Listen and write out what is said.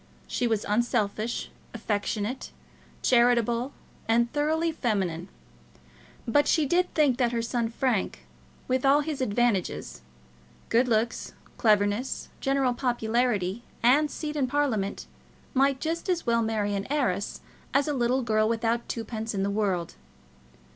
She was unselfish, affectionate, charitable, and thoroughly feminine. But she did think that her son Frank, with all his advantages, good looks, cleverness, general popularity, and seat in Parliament, might just as well marry an heiress as a little girl without twopence in the world.